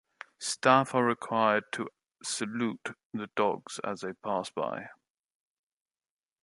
Staff are required to salute the dogs as they pass by.